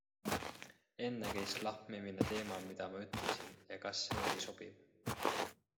Enne käis lahmimine teemal mida ma ütlesin ja kas see oli sobiv.